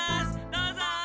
どうぞ！